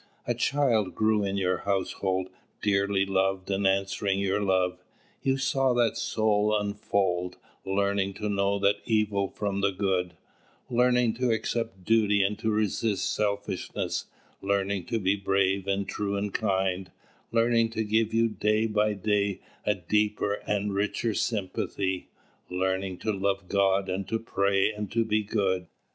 A child grew in your household, dearly loved and answering your love. You saw that soul unfold, learning to know the evil from the good, learning to accept duty and to resist selfishness, learning to be brave and true and kind, learning to give you day by day a deeper and a richer sympathy, learning to love God and to pray and to be good.